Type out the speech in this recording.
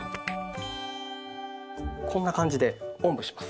こんな感じでおんぶします。